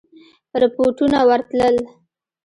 رپوټونه ورتلل.